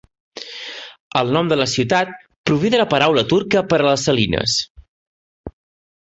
El nom de la ciutat prové de la paraula turca per a les salines.